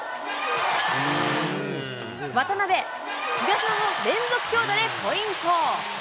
渡辺、東野の連続強打でポイント。